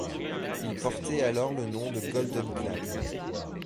Il portait alors le nom de Golden Cloud.